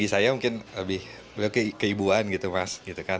saya mungkin lebih beliau ke ibuan gitu mas